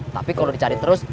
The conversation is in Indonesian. tapi kalo dicari terus